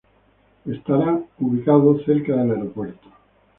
Estará ubicado cerca del aeropuerto.